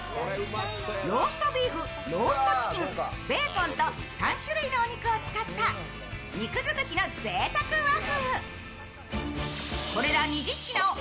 ローストビーフ、ローストチキン、ベーコンと３種類のお肉を使った肉尽くしの贅沢和風。